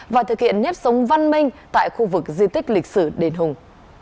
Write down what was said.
và thực hiện nếp sống văn minh tại khu vực di tích lịch sử đền hùng